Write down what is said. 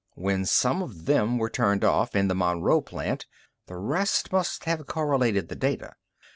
When some of them were turned off in the Monroe plant, the rest must have correlated the data.